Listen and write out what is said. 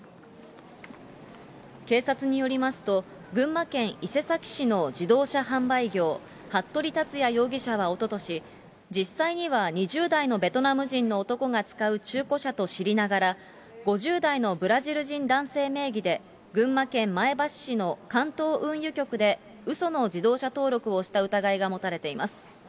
警察によりますと、群馬県伊勢崎市の自動車販売業、服部達也容疑者はおととし、実際には２０代のベトナム人の男が使う中古車と知りながら、５０代のブラジル人男性名義で、群馬県前橋市の関東運輸局で、うその自動車登録をした疑いが持たれています。